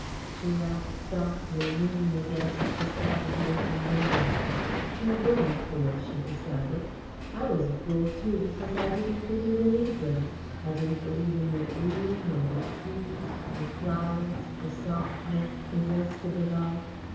She laughed softly, leaning against the side of the open window. "You were a fool," she decided. "I was a fool too, because I didn't believe in England. I didn't believe in the green, or the trees, the flowers, the softness, the rest of it all."